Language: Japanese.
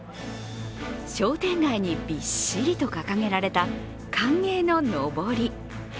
商店街にびっしりと掲げられた、歓迎ののぼり。